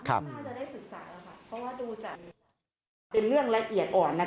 ครับ